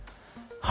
はい。